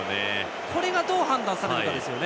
これがどう判断されるかですね。